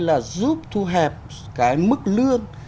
là giúp thu hẹp cái mức lương